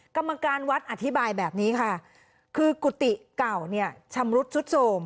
กรรมการวัดอธิบายแบบนี้ค่ะคือกุฏิเก่าเนี่ยชำรุดสุดโสม